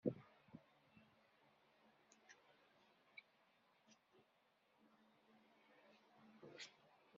Netta ur iwufeq Baya.